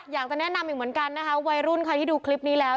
อยากจะแนะนำอีกเหมือนกันนะคะวัยรุ่นค่ะที่ดูคลิปนี้แล้ว